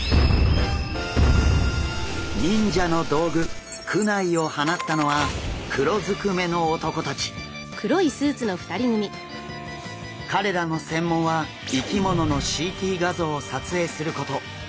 忍者の道具クナイを放ったのは彼らの専門は生き物のＣＴ画像を撮影すること。